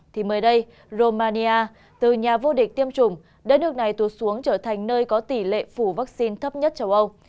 thì mới đây romania từ nhà vô địch tiêm chủng đã nước này tụt xuống trở thành nơi có tỷ lệ phủ vaccine thấp nhất châu âu